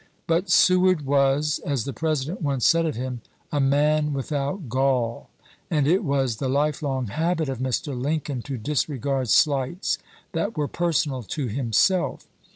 But Seward was, as the President once said of him, " a man without gall "; and it was the lifelong habit of Mr. Lincoln to disregard slights that were personal to himself.